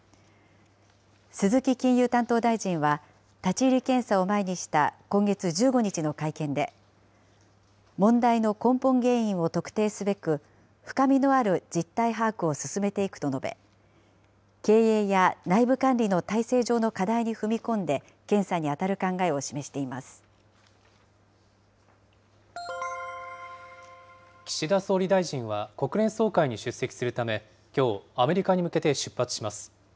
鈴木金融担当大臣は、立ち入り検査を前にした今月１５日の会見で、問題の根本原因を特定すべく、深みのある実態把握を進めていくと述べ、経営や内部管理の体制上の課題に踏み込んで検査に当たる考えを示岸田総理大臣は国連総会に出席するため、きょう、アメリカに向けて出発します。